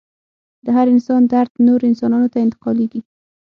د هر انسان درد نورو انسانانو ته انتقالیږي.